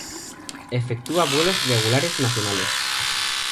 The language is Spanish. Efectúa vuelos regulares nacionales.